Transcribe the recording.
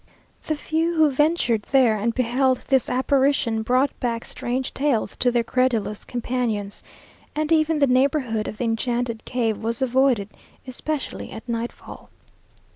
The few who ventured there and beheld this apparition, brought back strange tales to their credulous companions, and even the neighbourhood of the enchanted cave was avoided, especially at nightfall.